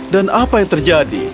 dan apa yang terjadi